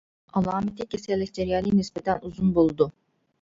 ئالامىتى كېسەللىك جەريانى نىسبەتەن ئۇزۇن بولىدۇ.